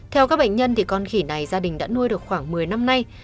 theo các bệnh nhân con khỉ này gia đình đã nuôi được khoảng một mươi năm nay